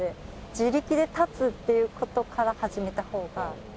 自力で立つっていう事から始めたほうが。